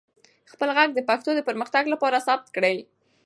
خپل ږغ د پښتو د پرمختګ لپاره ثبت کړئ.